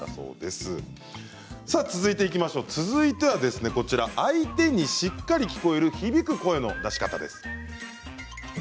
続いて相手にしっかり聞こえる響く声の出し方です。